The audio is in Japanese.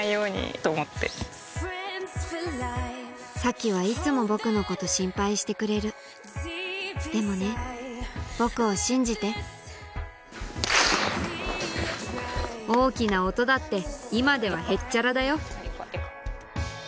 沙紀はいつも僕のこと心配してくれるでもね僕を信じて大きな音だって今ではへっちゃらだよ